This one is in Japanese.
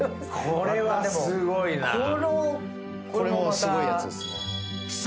これすごいやつですね。